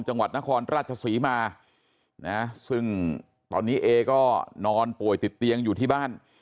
จังหวัดนครราชศรีมานะซึ่งตอนนี้เอก็นอนป่วยติดเตียงอยู่ที่บ้าน